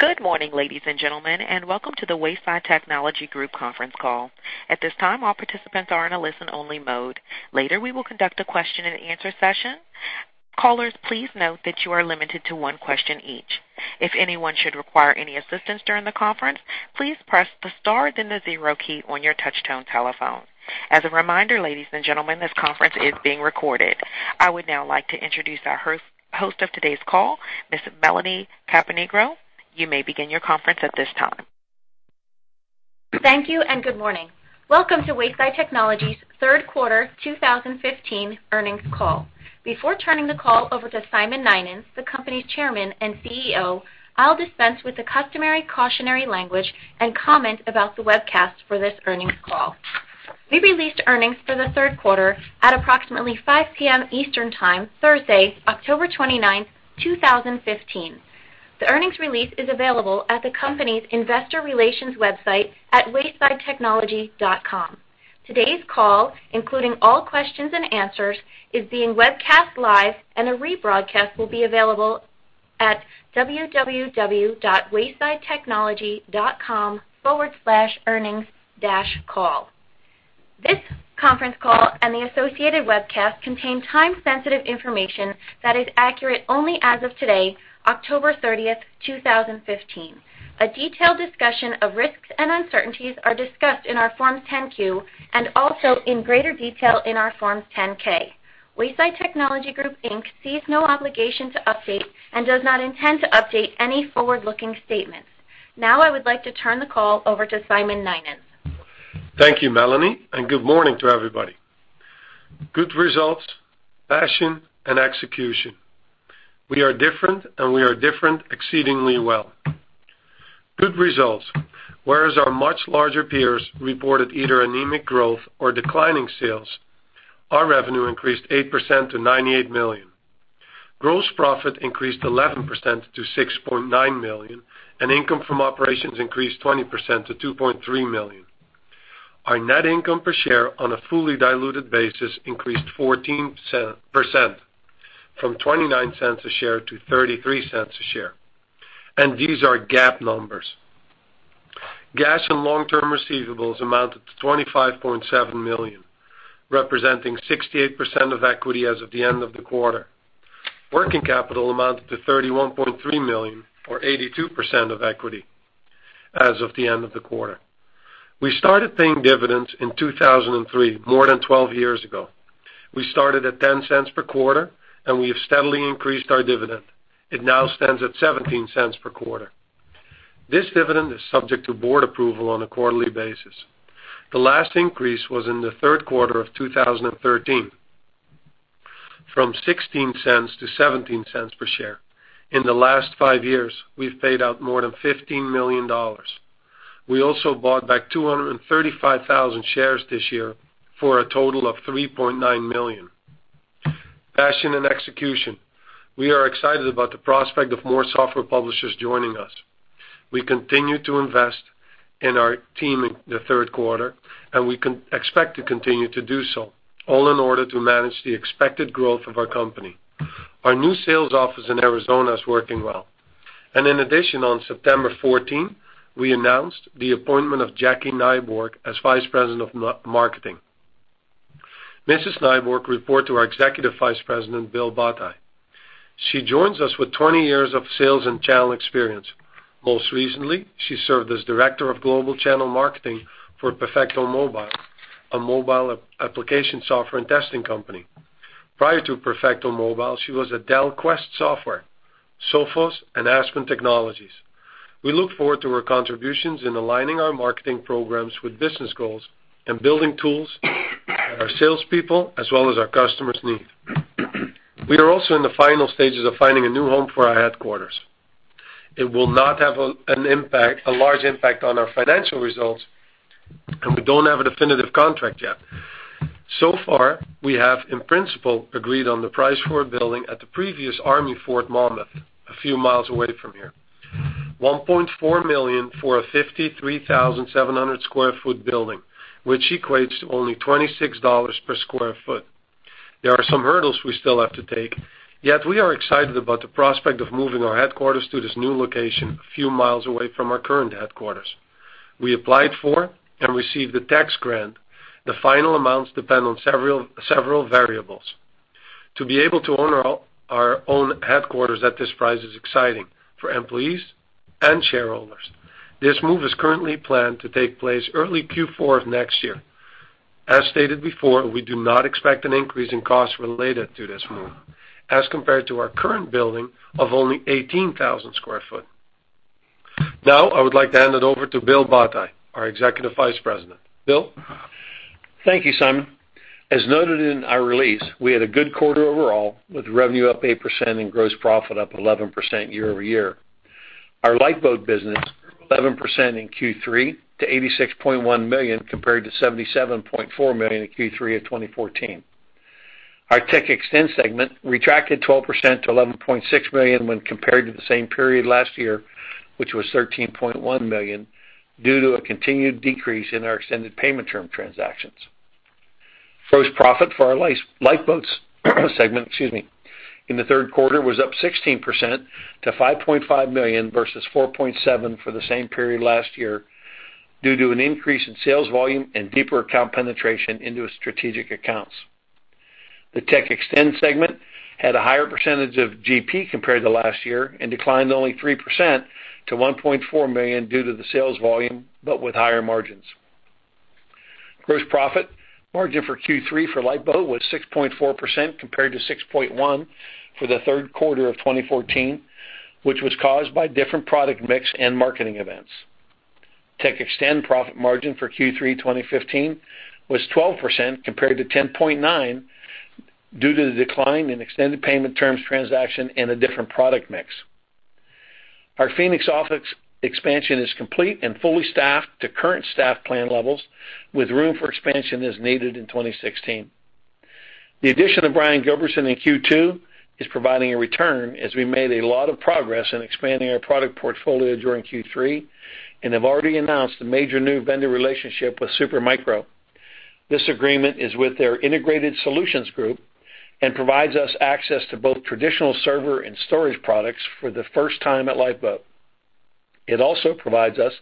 Good morning, ladies and gentlemen, welcome to the Wayside Technology Group conference call. At this time, all participants are in a listen-only mode. Later, we will conduct a question and answer session. Callers, please note that you are limited to one question each. If anyone should require any assistance during the conference, please press the star, then the zero key on your touchtone telephone. As a reminder, ladies and gentlemen, this conference is being recorded. I would now like to introduce our host of today's call, Miss Melanie Caponigro. You may begin your conference at this time. Thank you, good morning. Welcome to Wayside Technology's third quarter 2015 earnings call. Before turning the call over to Simon Nynens, the company's chairman and CEO, I'll dispense with the customary cautionary language and comment about the webcast for this earnings call. We released earnings for the third quarter at approximately 5:00 P.M. Eastern Time, Thursday, October 29, 2015. The earnings release is available at the company's investor relations website at waysidetechnology.com. Today's call, including all questions and answers, is being webcast live, and a rebroadcast will be available at www.waysidetechnology.com/earnings-call. This conference call and the associated webcast contain time-sensitive information that is accurate only as of today, October 30th, 2015. A detailed discussion of risks and uncertainties are discussed in our Forms 10-Q and also in greater detail in our Forms 10-K. Wayside Technology Group, Inc. sees no obligation to update and does not intend to update any forward-looking statements. Now I would like to turn the call over to Simon Nynens. Thank you, Melanie, good morning to everybody. Good results, passion, and execution. We are different, we are different exceedingly well. Good results. Whereas our much larger peers reported either anemic growth or declining sales, our revenue increased 8% to $98 million. Gross profit increased 11% to $6.9 million, income from operations increased 20% to $2.3 million. Our net income per share on a fully diluted basis increased 14% from $0.29 a share to $0.33 a share. These are GAAP numbers. GAAP and long-term receivables amounted to $25.7 million, representing 68% of equity as of the end of the quarter. Working capital amounted to $31.3 million or 82% of equity as of the end of the quarter. We started paying dividends in 2003, more than 12 years ago. We started at $0.10 per quarter, we have steadily increased our dividend. It now stands at $0.17 per quarter. This dividend is subject to board approval on a quarterly basis. The last increase was in the third quarter of 2013 from $0.16 to $0.17 per share. In the last five years, we've paid out more than $15 million. We also bought back 235,000 shares this year for a total of $3.9 million. Passion and execution. We are excited about the prospect of more software publishers joining us. We continued to invest in our team in the third quarter, and we expect to continue to do so, all in order to manage the expected growth of our company. Our new sales office in Arizona is working well. In addition, on September 14, we announced the appointment of Jackie Nyborg as Vice President of Marketing. Mrs. Nyborg reports to our Executive Vice President, Bill Bataie. She joins us with 20 years of sales and channel experience. Most recently, she served as Director of Global Channel Marketing for Perfecto Mobile, a mobile application software and testing company. Prior to Perfecto Mobile, she was at Dell Quest Software, Sophos, and Aspen Technology, Inc. We look forward to her contributions in aligning our marketing programs with business goals and building tools our salespeople, as well as our customers need. We are also in the final stages of finding a new home for our headquarters. It will not have a large impact on our financial results, and we don't have a definitive contract yet. So far, we have, in principle, agreed on the price for a building at the previous Army Fort Monmouth, a few miles away from here. $1.4 million for a 53,700 sq ft building, which equates to only $26 per sq ft. There are some hurdles we still have to take, yet we are excited about the prospect of moving our headquarters to this new location a few miles away from our current headquarters. We applied for and received a tax grant. The final amounts depend on several variables. To be able to own our own headquarters at this price is exciting for employees and shareholders. This move is currently planned to take place early Q4 of next year. As stated before, we do not expect an increase in costs related to this move as compared to our current building of only 18,000 sq ft. I would like to hand it over to Bill Bataie, our Executive Vice President. Bill? Thank you, Simon. As noted in our release, we had a good quarter overall, with revenue up 8% and gross profit up 11% year-over-year. Our Lifeboat business, 11% in Q3 to $86.1 million compared to $77.4 million in Q3 of 2014. Our TechXtend segment retracted 12% to $11.6 million when compared to the same period last year, which was $13.1 million, due to a continued decrease in our extended payment term transactions. Gross profit for our Lifeboat segment, excuse me, in the third quarter was up 16% to $5.5 million, versus $4.7 million for the same period last year, due to an increase in sales volume and deeper account penetration into its strategic accounts. The TechXtend segment had a higher percentage of GP compared to last year and declined only 3% to $1.4 million due to the sales volume, but with higher margins. Gross profit margin for Q3 for Lifeboat was 6.4%, compared to 6.1% for the third quarter of 2014, which was caused by different product mix and marketing events. TechXtend profit margin for Q3 2015 was 12%, compared to 10.9%, due to the decline in extended payment terms transaction and a different product mix. Our Phoenix office expansion is complete and fully staffed to current staff plan levels, with room for expansion as needed in 2016. The addition of Brian Gilbertson in Q2 is providing a return as we made a lot of progress in expanding our product portfolio during Q3, and have already announced a major new vendor relationship with Supermicro. This agreement is with their integrated solutions group and provides us access to both traditional server and storage products for the first time at Lifeboat. It also provides us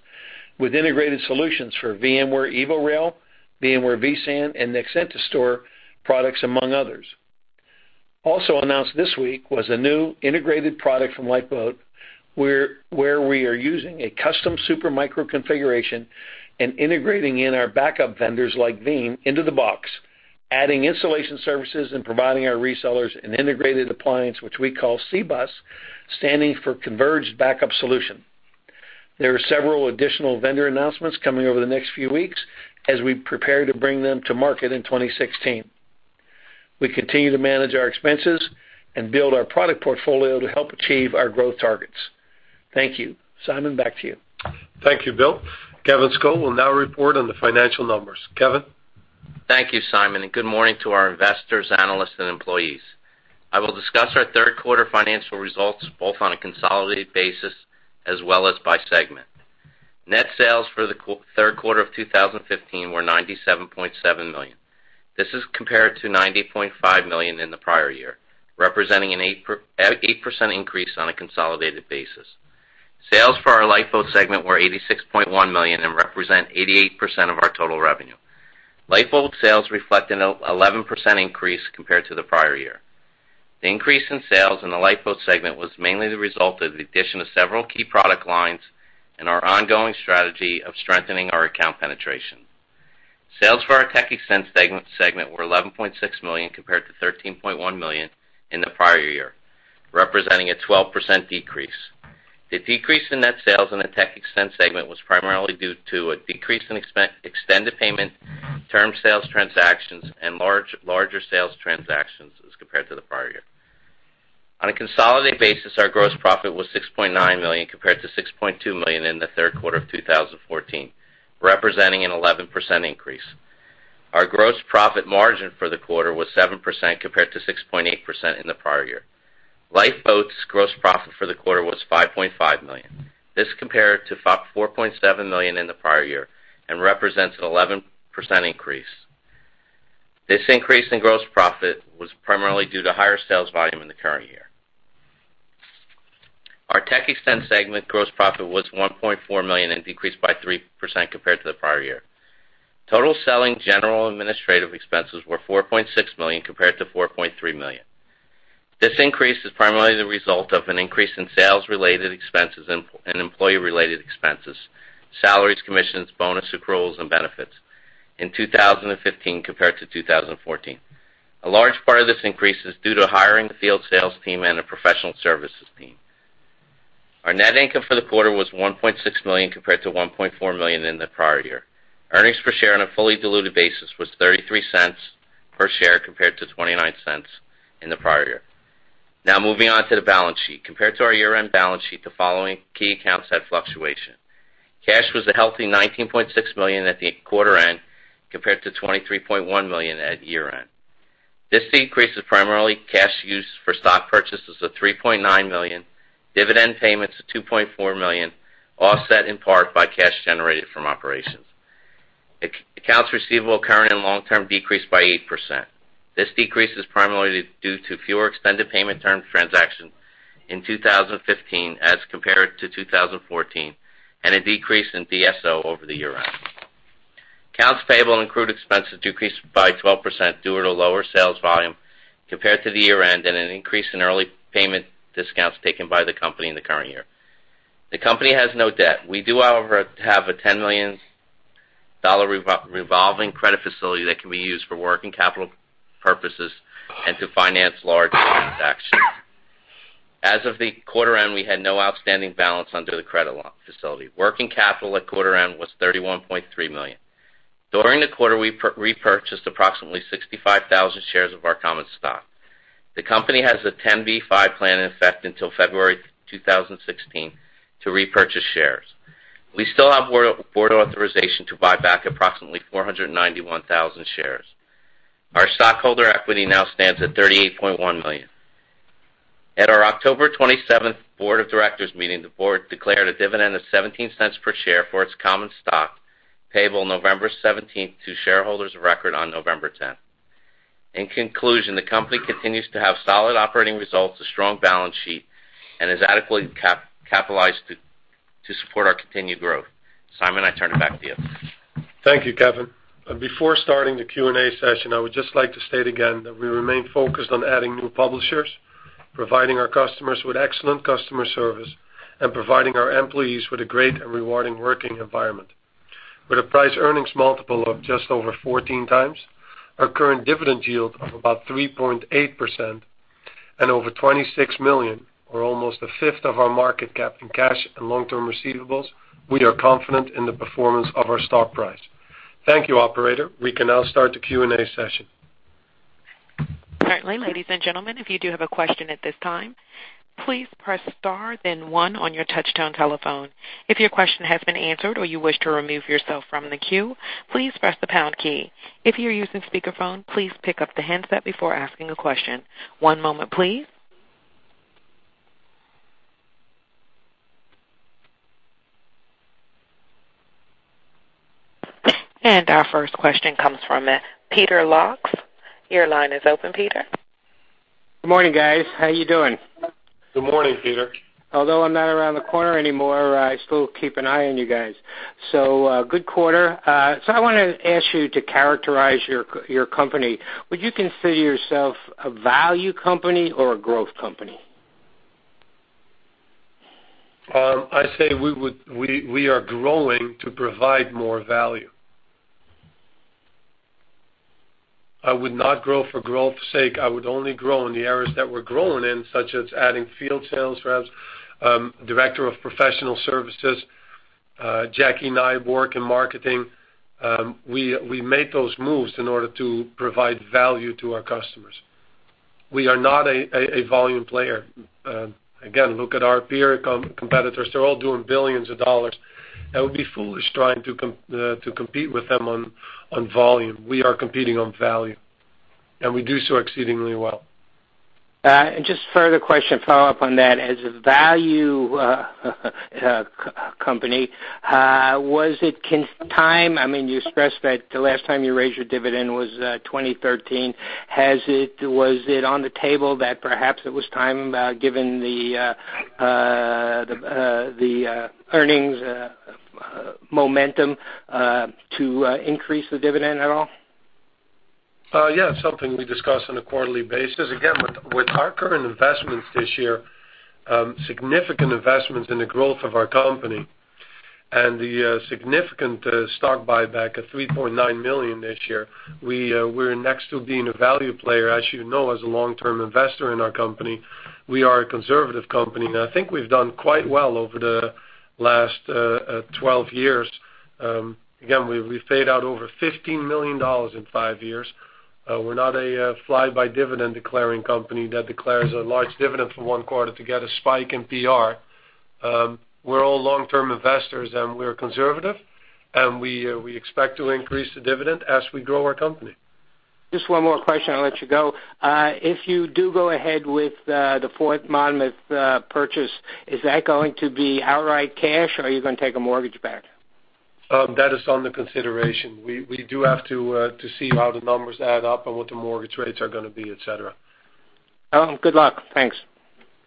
with integrated solutions for VMware EVO:RAIL, VMware vSAN, and the vSphere Storage products, among others. Also announced this week was a new integrated product from Lifeboat, where we are using a custom Supermicro configuration and integrating in our backup vendors like Veeam into the box, adding installation services and providing our resellers an integrated appliance, which we call CBUS, standing for Converged Backup Solution. There are several additional vendor announcements coming over the next few weeks as we prepare to bring them to market in 2016. We continue to manage our expenses and build our product portfolio to help achieve our growth targets. Thank you. Simon, back to you. Thank you, Bill. Kevin Scull will now report on the financial numbers. Kevin? Thank you, Simon, and good morning to our investors, analysts, and employees. I will discuss our third quarter financial results both on a consolidated basis as well as by segment. Net sales for the third quarter of 2015 were $97.7 million. This is compared to $90.5 million in the prior year, representing an 8% increase on a consolidated basis. Sales for our Lifeboat segment were $86.1 million and represent 88% of our total revenue. Lifeboat sales reflect a 16% increase compared to the prior year. The increase in sales in the Lifeboat segment was mainly the result of the addition of several key product lines and our ongoing strategy of strengthening our account penetration. Sales for our TechXtend segment were $11.6 million, compared to $13.1 million in the prior year, representing a 12% decrease. The decrease in net sales in the TechXtend segment was primarily due to a decrease in extended payment term sales transactions and larger sales transactions as compared to the prior year. On a consolidated basis, our gross profit was $6.9 million, compared to $6.2 million in the third quarter of 2014, representing a 16% increase. Our gross profit margin for the quarter was 7%, compared to 6.8% in the prior year. Lifeboat's gross profit for the quarter was $5.5 million. This compared to $4.7 million in the prior year and represents a 16% increase. This increase in gross profit was primarily due to higher sales volume in the current year. Our TechXtend segment gross profit was $1.4 million and decreased by 3% compared to the prior year. Total selling general administrative expenses were $4.6 million, compared to $4.3 million. This increase is primarily the result of an increase in sales-related expenses and employee-related expenses, salaries, commissions, bonus accruals, and benefits in 2015 compared to 2014. A large part of this increase is due to hiring the field sales team and a professional services team. Our net income for the quarter was $1.6 million, compared to $1.4 million in the prior year. Earnings per share on a fully diluted basis was $0.33 per share, compared to $0.29 in the prior year. Now, moving on to the balance sheet. Compared to our year-end balance sheet, the following key accounts had fluctuation. Cash was a healthy $19.6 million at the quarter end, compared to $23.1 million at year-end. This decrease is primarily cash used for stock purchases of $3.9 million, dividend payments of $2.4 million, offset in part by cash generated from operations. Accounts receivable, current and long-term, decreased by 8%. This decrease is primarily due to fewer extended payment term transactions in 2015 as compared to 2014, and a decrease in DSO over the year-end. Accounts payable and accrued expenses decreased by 12% due to lower sales volume compared to the year-end and an increase in early payment discounts taken by the company in the current year. The company has no debt. We do, however, have a $10 million revolving credit facility that can be used for working capital purposes and to finance large transactions. As of the quarter end, we had no outstanding balance under the credit facility. Working capital at quarter end was $31.3 million. During the quarter, we repurchased approximately 65,000 shares of our common stock. The company has a 10b5-1 plan in effect until February 2016 to repurchase shares. We still have board authorization to buy back approximately 491,000 shares. Our stockholder equity now stands at $38.1 million. At our October 27th board of directors meeting, the board declared a dividend of $0.17 per share for its common stock, payable November 17th to shareholders of record on November 10th. In conclusion, the company continues to have solid operating results, a strong balance sheet, and is adequately capitalized to support our continued growth. Simon, I turn it back to you. Thank you, Kevin. Before starting the Q&A session, I would just like to state again that we remain focused on adding new publishers, providing our customers with excellent customer service, and providing our employees with a great and rewarding working environment. With a price-earnings multiple of just over 14 times, our current dividend yield of about 3.8%, and over $26 million, or almost a fifth of our market cap in cash and long-term receivables, we are confident in the performance of our stock price. Thank you, operator. We can now start the Q&A session. Certainly. Ladies and gentlemen, if you do have a question at this time, please press star then one on your touchtone telephone. If your question has been answered or you wish to remove yourself from the queue, please press the pound key. If you are using speakerphone, please pick up the handset before asking a question. One moment, please. Our first question comes from Peter Locks. Your line is open, Peter. Good morning, guys. How you doing? Good morning, Peter. Although I'm not around the corner anymore, I still keep an eye on you guys. Good quarter. I want to ask you to characterize your company. Would you consider yourself a value company or a growth company? I'd say we are growing to provide more value. I would not grow for growth's sake. I would only grow in the areas that we're growing in, such as adding field sales reps, director of professional services, Jackie Nyborg in marketing. We make those moves in order to provide value to our customers. We are not a volume player. Look at our peer competitors. They're all doing $ billions. That would be foolish trying to compete with them on volume. We are competing on value. We do so exceedingly well. Just further question, follow-up on that. As a value company, was it time, you expressed that the last time you raised your dividend was 2013. Was it on the table that perhaps it was time, given the earnings momentum, to increase the dividend at all? Yeah, something we discuss on a quarterly basis. Again, with our current investments this year, significant investments in the growth of our company and the significant stock buyback of $3.9 million this year, we're next to being a value player. As you know, as a long-term investor in our company, we are a conservative company, and I think we've done quite well over the last 12 years. Again, we've paid out over $15 million in 5 years. We're not a fly-by-dividend declaring company that declares a large dividend for one quarter to get a spike in PR. We're all long-term investors, and we're conservative, and we expect to increase the dividend as we grow our company. Just one more question and I'll let you go. If you do go ahead with the Fourth Monmouth purchase, is that going to be outright cash, or are you going to take a mortgage back? That is under consideration. We do have to see how the numbers add up and what the mortgage rates are going to be, et cetera. Well, good luck. Thanks.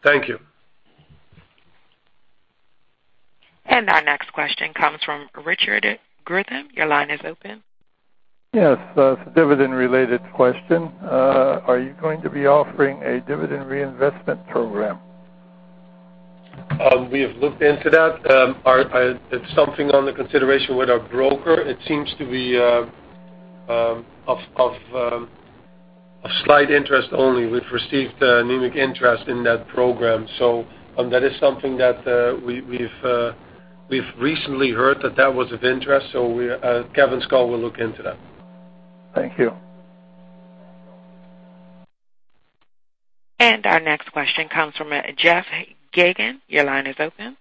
Thank you. Our next question comes from Richard Gritham. Your line is open. Yes. It's a dividend-related question. Are you going to be offering a dividend reinvestment program? We have looked into that. It's something under consideration with our broker. It seems to be of slight interest only. We've received anemic interest in that program. That is something that we've recently heard that that was of interest. Kevin Scull will look into that. Thank you. Our next question comes from Jeff Gagan. Your line is open.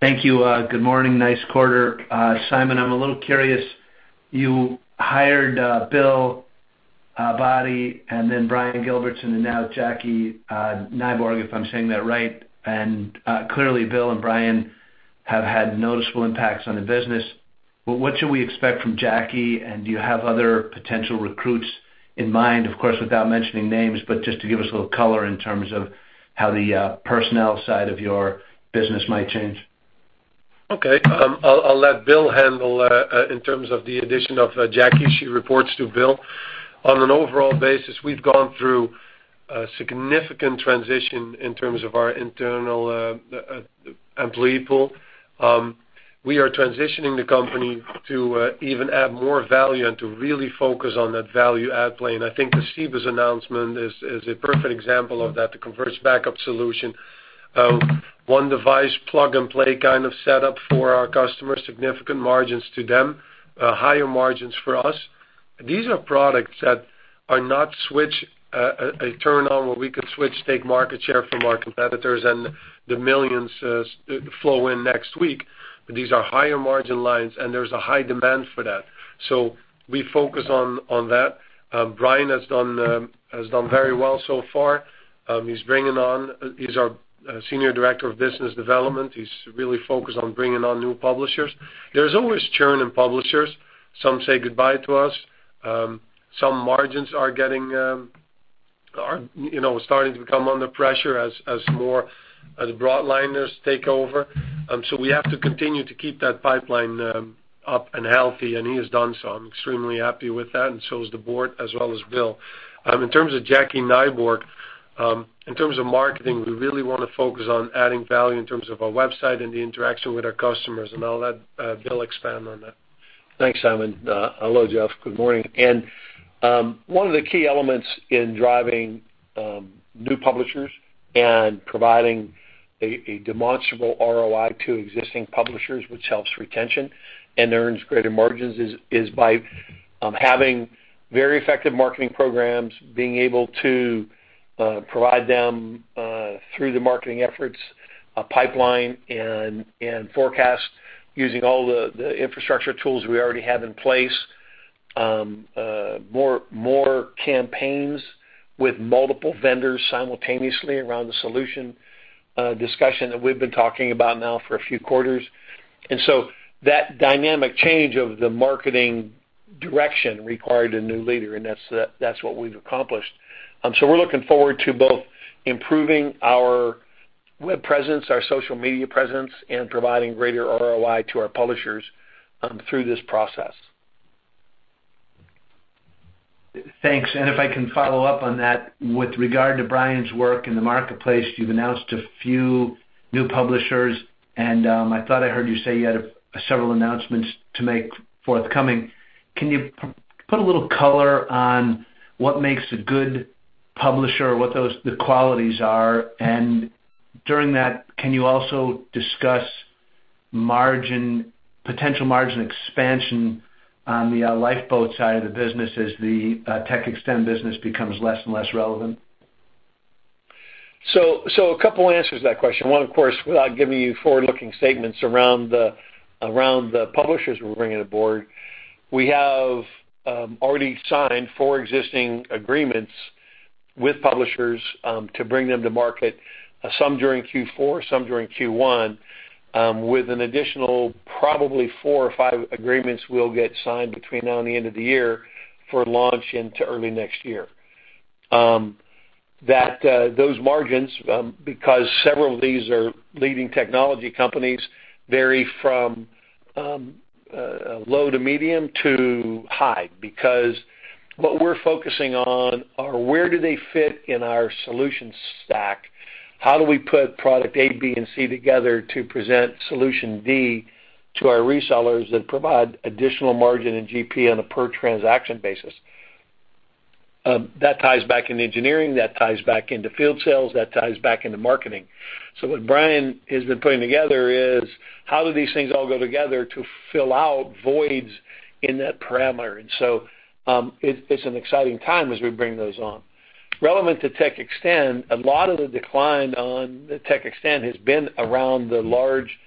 Thank you. Good morning. Nice quarter. Simon, I'm a little curious. You hired Bill Bataie and then Brian Gilbertson and now Jackie Nyborg, if I'm saying that right, and clearly, Bill and Brian have had noticeable impacts on the business. What should we expect from Jackie? Do you have other potential recruits in mind? Of course, without mentioning names, but just to give us a little color in terms of how the personnel side of your business might change. Okay. I'll let Bill handle in terms of the addition of Jackie. She reports to Bill. On an overall basis, we've gone through a significant transition in terms of our internal employee pool. We are transitioning the company to even add more value and to really focus on that value-add play, and I think the CBUS announcement is a perfect example of that, the Converged Backup Solution. One device, plug-and-play kind of setup for our customers, significant margins to them, higher margins for us. These are products that are not a turn-on where we could switch, take market share from our competitors, and the millions flow in next week. These are higher margin lines, and there's a high demand for that. We focus on that. Brian has done very well so far. He's our Senior Director of Business Development. He's really focused on bringing on new publishers. There's always churn in publishers. Some say goodbye to us. Some margins are starting to come under pressure as broadliners take over. We have to continue to keep that pipeline up and healthy, and he has done so. I'm extremely happy with that, and so is the board as well as Bill. In terms of Jackie Nyborg, in terms of marketing, we really want to focus on adding value in terms of our website and the interaction with our customers. I'll let Bill expand on that. Thanks, Simon. Hello, Jeff. Good morning. One of the key elements in driving new publishers and providing a demonstrable ROI to existing publishers, which helps retention and earns greater margins, is by having very effective marketing programs, being able to provide them through the marketing efforts, a pipeline, and forecast using all the infrastructure tools we already have in place. More campaigns with multiple vendors simultaneously around the solution discussion that we've been talking about now for a few quarters. That dynamic change of the marketing direction required a new leader, and that's what we've accomplished. We're looking forward to both improving our web presence, our social media presence, and providing greater ROI to our publishers through this process. Thanks. If I can follow up on that with regard to Brian's work in the marketplace, you've announced a few new publishers, and I thought I heard you say you had several announcements to make forthcoming. Can you put a little color on what makes a good publisher, what the qualities are? During that, can you also discuss potential margin expansion on the Lifeboat side of the business as the TechXtend business becomes less and less relevant? A couple answers to that question. One, of course, without giving you forward-looking statements around the publishers we're bringing aboard, we have already signed four existing agreements with publishers to bring them to market, some during Q4, some during Q1, with an additional probably four or five agreements we'll get signed between now and the end of the year for launch into early next year. Those margins, because several of these are leading technology companies, vary from low to medium to high. Because what we're focusing on are where do they fit in our solution stack? How do we put product A, B, and C together to present solution D to our resellers that provide additional margin and GP on a per transaction basis? That ties back into engineering, that ties back into field sales, that ties back into marketing. What Brian has been putting together is how do these things all go together to fill out voids in that parameter. It's an exciting time as we bring those on. Relevant to TechXtend, a lot of the decline on TechXtend has been around the large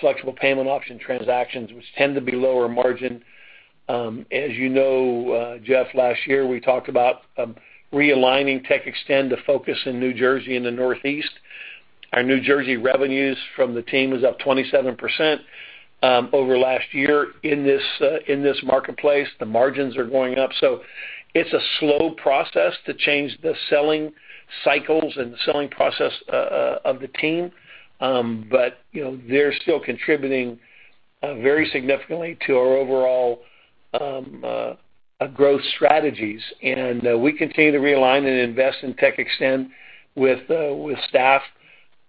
flexible payment option transactions, which tend to be lower margin. As you know, Jeff, last year we talked about realigning TechXtend to focus in New Jersey and the Northeast. Our New Jersey revenues from the team was up 27% over last year in this marketplace. The margins are going up. It's a slow process to change the selling cycles and the selling process of the team. They're still contributing very significantly to our overall growth strategies. We continue to realign and invest in TechXtend with staff.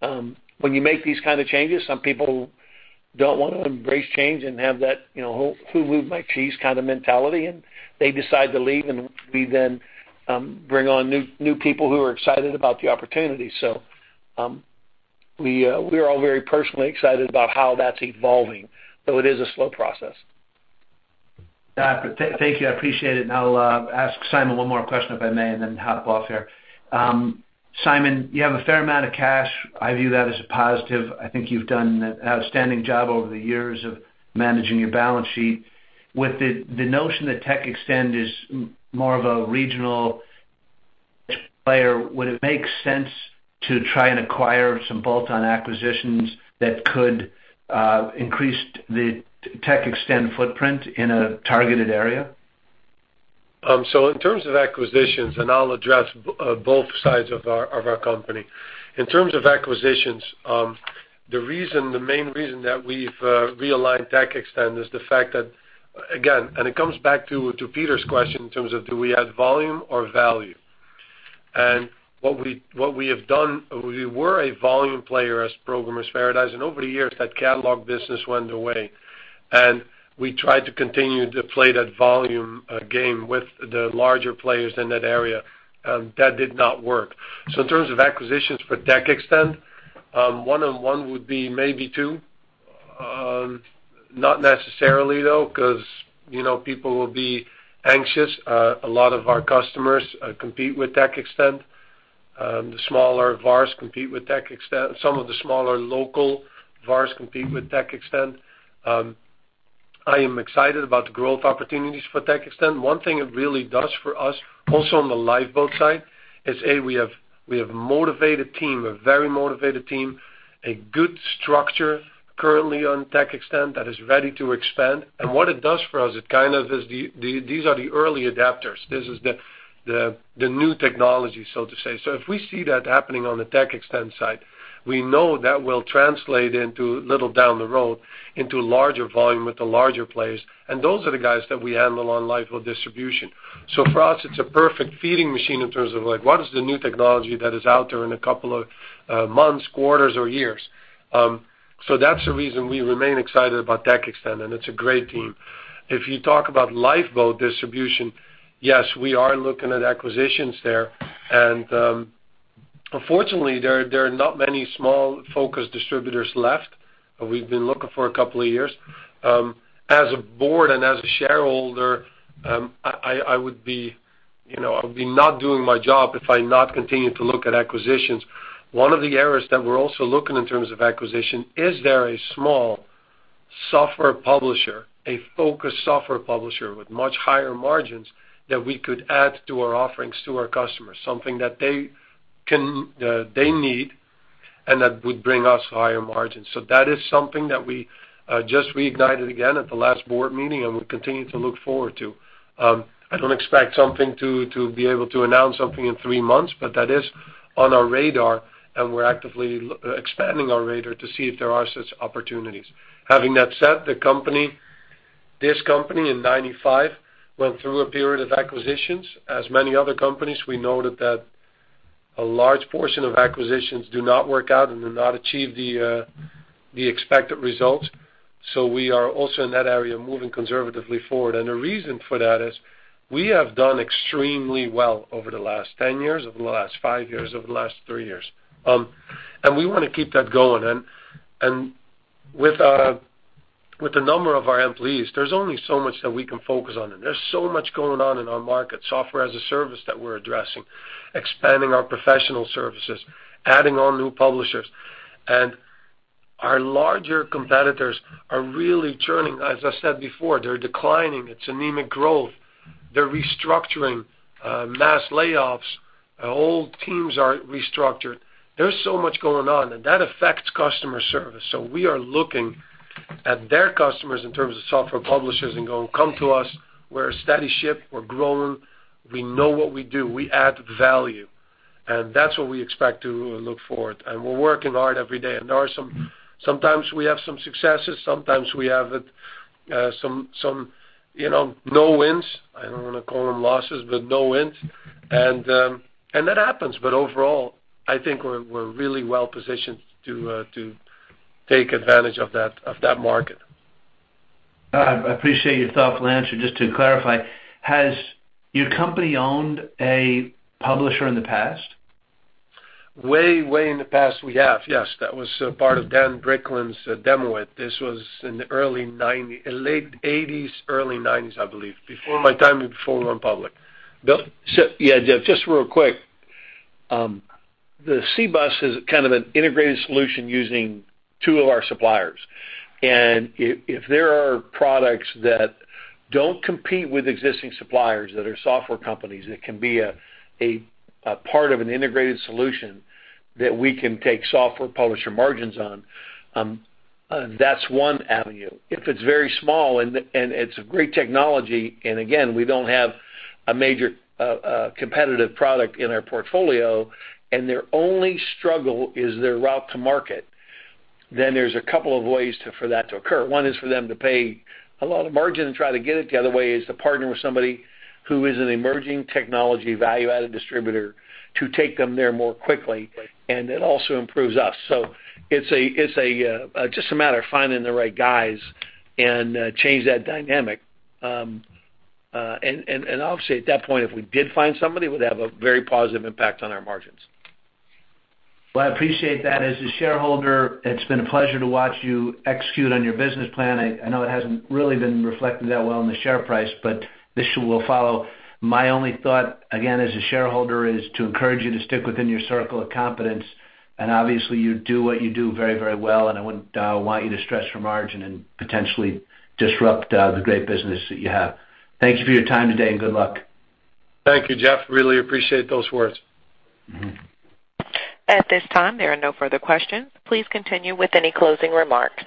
When you make these kind of changes, some people don't want to embrace change and have that whole who moved my cheese kind of mentality, and they decide to leave, and we then bring on new people who are excited about the opportunity. We are all very personally excited about how that's evolving, though it is a slow process. Thank you. I appreciate it. I'll ask Simon one more question, if I may, and then hop off here. Simon, you have a fair amount of cash. I view that as a positive. I think you've done an outstanding job over the years of managing your balance sheet. With the notion that TechXtend is more of a regional player, would it make sense to try and acquire some bolt-on acquisitions that could increase the TechXtend footprint in a targeted area? In terms of acquisitions, I'll address both sides of our company. In terms of acquisitions, the main reason that we've realigned TechXtend is the fact that, again, it comes back to Peter's question in terms of do we add volume or value? What we have done, we were a volume player as Programmer's Paradise, over the years, that catalog business went away. We tried to continue to play that volume game with the larger players in that area. That did not work. In terms of acquisitions for TechXtend. One-on-one would be maybe two. Not necessarily though, because people will be anxious. A lot of our customers compete with TechXtend. The smaller VARs compete with TechXtend. Some of the smaller local VARs compete with TechXtend. I am excited about the growth opportunities for TechXtend. One thing it really does for us, also on the Lifeboat side, is, A, we have a motivated team, a very motivated team. A good structure currently on TechXtend that is ready to expand. What it does for us, these are the early adapters. This is the new technology, so to say. If we see that happening on the TechXtend side, we know that will translate into, a little down the road, into larger volume with the larger players. Those are the guys that we handle on Lifeboat Distribution. For us, it's a perfect feeding machine in terms of, what is the new technology that is out there in a couple of months, quarters, or years. That's the reason we remain excited about TechXtend, it's a great team. If you talk about Lifeboat Distribution, yes, we are looking at acquisitions there. Unfortunately, there are not many small focused distributors left. We've been looking for a couple of years. As a board and as a shareholder, I would be not doing my job if I not continue to look at acquisitions. One of the areas that we're also looking in terms of acquisition, is there a small software publisher, a focused software publisher with much higher margins that we could add to our offerings to our customers, something that they need, and that would bring us higher margins? That is something that we just reignited again at the last board meeting we continue to look forward to. I don't expect to be able to announce something in three months, but that is on our radar, we're actively expanding our radar to see if there are such opportunities. Having that said, this company in 1995 went through a period of acquisitions. As many other companies, we noted that a large portion of acquisitions do not work out and do not achieve the expected results. We are also in that area, moving conservatively forward. The reason for that is, we have done extremely well over the last 10 years, over the last five years, over the last three years. We want to keep that going. With the number of our employees, there's only so much that we can focus on, and there's so much going on in our market. Software as a service that we're addressing, expanding our professional services, adding on new publishers. Our larger competitors are really churning. As I said before, they're declining. It's anemic growth. They're restructuring, mass layoffs. Old teams are restructured. There's so much going on, and that affects customer service. We are looking at their customers in terms of software publishers and going, "Come to us. We're a steady ship. We're growing. We know what we do. We add value." That's what we expect to look forward. We're working hard every day. Sometimes we have some successes, sometimes we have some no wins. I don't want to call them losses, but no wins. That happens. Overall, I think we're really well positioned to take advantage of that market. I appreciate your thoughtful answer. Just to clarify, has your company owned a publisher in the past? Way in the past we have, yes. That was part of Dan Bricklin's Demo-it! This was in the late 1980s, early 1990s, I believe. Before my time and before we went public. Bill? Yeah, Jeff, just real quick. The CBUS is kind of an integrated solution using two of our suppliers. If there are products that don't compete with existing suppliers that are software companies, that can be a part of an integrated solution that we can take software publisher margins on, that's one avenue. If it's very small and it's a great technology, and again, we don't have a major competitive product in our portfolio, and their only struggle is their route to market, there's a couple of ways for that to occur. One is for them to pay a lot of margin and try to get it. The other way is to partner with somebody who is an emerging technology value-added distributor to take them there more quickly. Right. It also improves us. It's just a matter of finding the right guys and change that dynamic. Obviously at that point, if we did find somebody, it would have a very positive impact on our margins. Well, I appreciate that. As a shareholder, it's been a pleasure to watch you execute on your business plan. I know it hasn't really been reflected that well in the share price, but this will follow. My only thought, again, as a shareholder, is to encourage you to stick within your circle of competence. Obviously, you do what you do very well, and I wouldn't want you to stress for margin and potentially disrupt the great business that you have. Thank you for your time today, and good luck. Thank you, Jeff. Really appreciate those words. At this time, there are no further questions. Please continue with any closing remarks.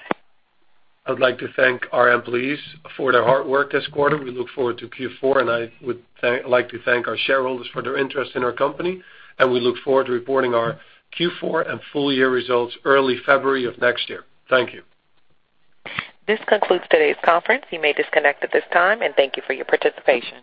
I'd like to thank our employees for their hard work this quarter. We look forward to Q4, and I would like to thank our shareholders for their interest in our company, and we look forward to reporting our Q4 and full year results early February of next year. Thank you. This concludes today's conference. You may disconnect at this time, and thank you for your participation.